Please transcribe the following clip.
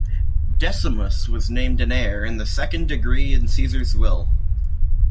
Decimus was named an heir in the second degree in Caesar's will.